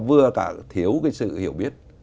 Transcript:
vừa cả thiếu cái sự hiểu biết